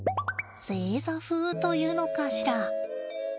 正座風というのかしら。